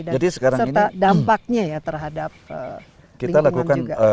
dan serta dampaknya ya terhadap lingkungan juga